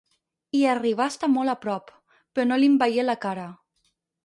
Hi arribà a estar molt a prop, però no li'n veié la cara.